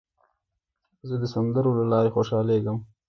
زه د سندرو له لارې خوشحالېږم.